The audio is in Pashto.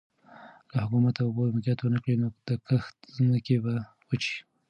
که حکومت د اوبو مدیریت ونکړي نو د کښت ځمکې به وچې شي.